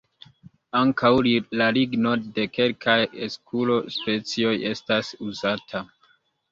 Ankaŭ la ligno de kelkaj "eskulo"-specioj estas uzata.